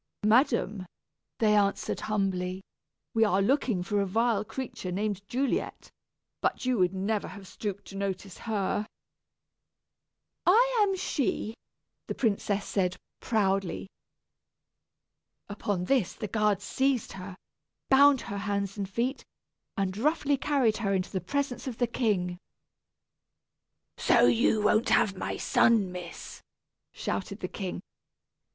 "Madam," they answered humbly, "we are looking for a vile creature named Juliet; but you would never have stooped to notice her." "I am she," the princess said, proudly. Upon this the guards seized her, bound her hands and feet, and roughly carried her into the presence of the king. "So you won't have my son, miss," shouted the king.